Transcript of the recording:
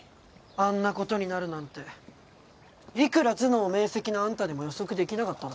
あんなことになるなんていくら頭脳明晰なあんたでも予測できなかっただろ。